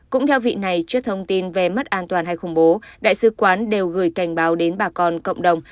cũng theo vị này trước thông tin về mất an toàn hay khủng bố đại sứ quán đều gửi cảnh báo đến bà con cộng đồng